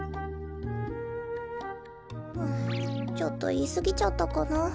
はぁちょっといいすぎちゃったかな。